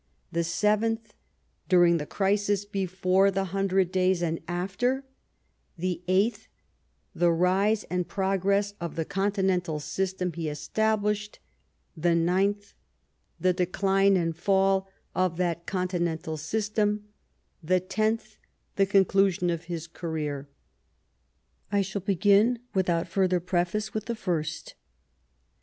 1814 ; the seventh," during the crisis before the Hundred Days — and after ; the eighth, the rise and progress of the Continental system he established ; the ninth, the decline and fall of that Continental system ; the tenth, the conclusion of his career. I shall begin, without further preface, with the first.